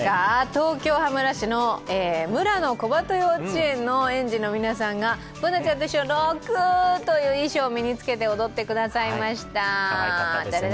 東京のむらのこばと幼稚園の園児らが、Ｂｏｏｎａちゃんと一緒に「６」という衣装を身に着けて踊ってくれました。